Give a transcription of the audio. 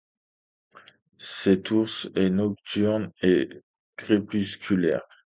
Cet ours est nocturne et crépusculaire.